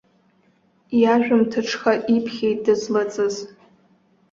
Иажәымҭыҽха иԥхьеит дызлыҵыз.